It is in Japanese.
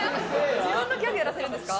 自分のギャグやらせるんですか？